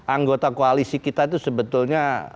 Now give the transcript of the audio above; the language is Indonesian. anggota koalisi kita itu sebetulnya